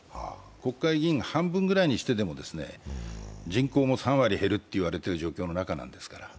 国会議員を半分ぐらいにしてでも人口も３割減るっていわれてる状況の中なんですから。